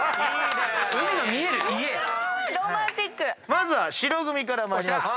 まずは白組から参ります。